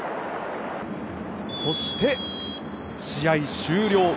そして試合終了。